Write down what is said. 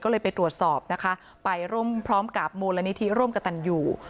ก็เลยไปตรวจสอบนะคะไปร่วมพร้อมกับมูลนิธิร่วมกับตันอยู่